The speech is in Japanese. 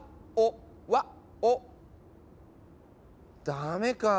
ダメかぁ。